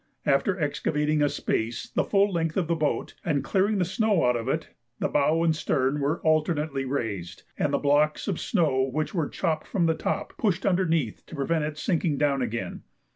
After excavating a space the full length of the boat, and clearing the snow out of it, the bow and stern were alternately raised, and the blocks of snow which were chopped from the top pushed underneath to prevent its sinking down again.